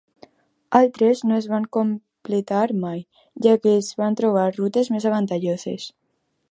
Altres no es van completar mai, ja que es van trobar rutes més avantatjoses.